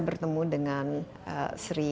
bertemu dengan sri